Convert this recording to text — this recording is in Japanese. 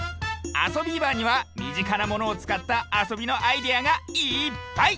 「あそビーバー」にはみぢかなものをつかったあそびのアイデアがいっぱい！